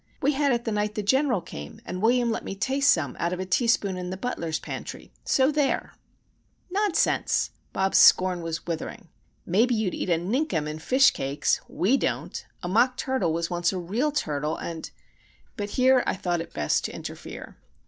"We had it the night the General came, and William let me taste some out of a teaspoon in the butler's pantry,—so there!" "Nonsense!" Bobs' scorn was withering. "Maybe you'd eat a Ninkum in fish cakes! We don't! A Mockturtle was once a real turtle, and——" But here I thought it best to interfere.